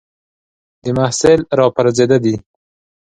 د محصل را پرځېده دي